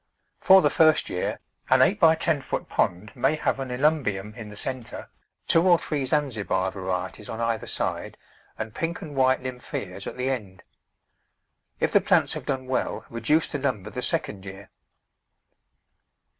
For the first year an eight by ten foot pond may have a Nelum bium in the centre, two or three Zanzibar varieties on either side, and pink and white Nymphaeas at the end. If the plants have done well reduce the number the second year.